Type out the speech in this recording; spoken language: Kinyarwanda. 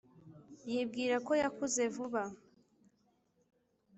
yibwira ko yakuze vuba?